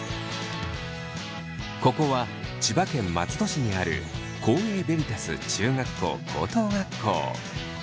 ここは千葉県松戸市にある光英ＶＥＲＩＴＡＳ中学校・高等学校。